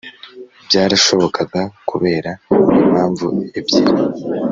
Byarashobokaga kubera impamvu ebyiri